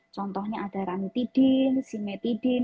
contohnya ada ramitidin simetidin